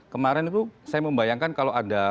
kemarin itu saya membayangkan kalau ada